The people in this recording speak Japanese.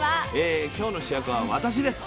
今日の主役は私です。